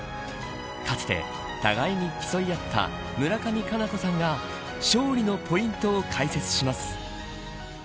かつて、互いに競い合った村上佳菜子さんが勝利のポイントを解説します。